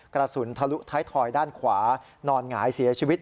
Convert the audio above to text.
กระสุนทะลุท้ายทอยด้านขวานอนหงายเสียชีวิต